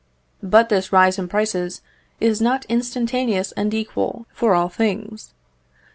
But this rise in prices is not instantaneous and equal for all things.